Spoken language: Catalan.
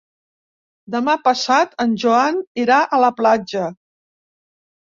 Demà passat en Joan irà a la platja.